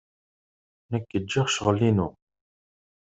Nekk giɣ ccɣel-inu.